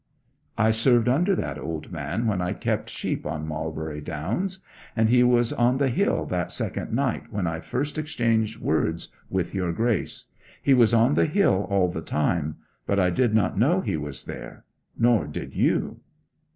'I served under that old man when I kept sheep on Marlbury Downs. And he was on the hill that second night, when I first exchanged words with your Grace. He was on the hill all the time; but I did not know he was there nor did you.'